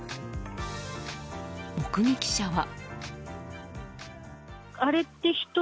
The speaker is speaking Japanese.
目撃者は。